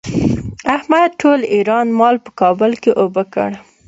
احمد ټول ايران مال په کابل کې اوبه کړ.